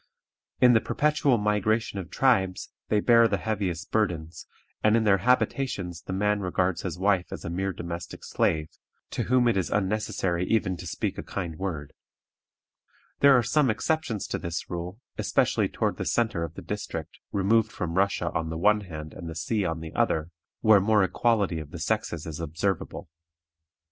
In the perpetual migration of tribes they bear the heaviest burdens, and in their habitations the man regards his wife as a mere domestic slave, to whom it is unnecessary even to speak a kind word. There are some exceptions to this rule, especially toward the centre of the district, removed from Russia on the one hand and the sea on the other, where more equality of the sexes is observable.